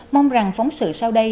mong rằng phóng sự sau đây